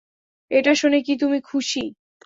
এটা শোনে কী তুমি খুশি?